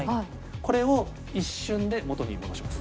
これを一瞬で元に戻します。